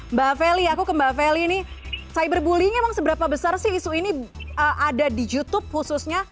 mbak feli aku ke mbak feli ini cyberbully nya emang seberapa besar sih isu ini ada di youtube khususnya